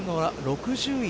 ６０位